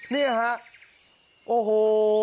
นี่ฮะโอ้โห